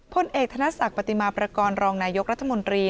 พลเอกธนศักดิ์ปฏิมาประกอบรองนายกรัฐมนตรี